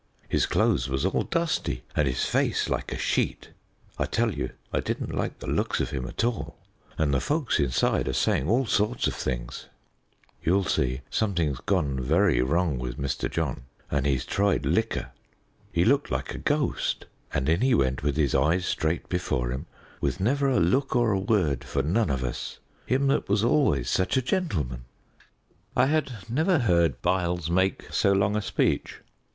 His clothes was all dusty and his face like a sheet. I tell you I didn't like the looks of him at all, and the folks inside are saying all sorts of things. You'll see, something's gone very wrong with Mr. John, and he's tried liquor. He looked like a ghost, and in he went with his eyes straight before him, with never a look or a word for none of us; him that was always such a gentleman!" I had never heard Byles make so long a speech.